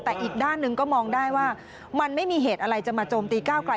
แต่อีกด้านหนึ่งก็มองได้ว่ามันไม่มีเหตุอะไรจะมาโจมตีก้าวไกล